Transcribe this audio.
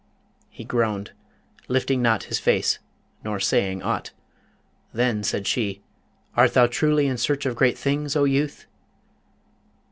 He groaned, lifting not his face, nor saying aught. Then said she, 'Art thou truly in search of great things, O youth?'